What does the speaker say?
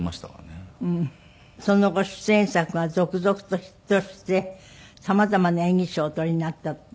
その後出演作が続々とヒットして様々な演技賞をお取りになったって。